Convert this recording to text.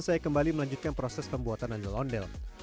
saya kembali melanjutkan proses pembuatan ondel ondel